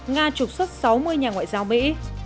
nga trục xuất sáu mươi nhà ngoại giao mỹ